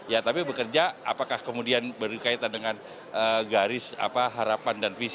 ya tapi bekerja apakah kemudian berkaitan dengan garis harapan dan visi